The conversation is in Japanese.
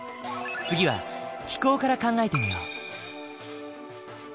次は気候から考えてみよう。